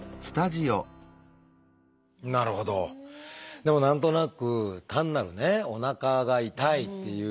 でも何となく単なるおなかが痛いという。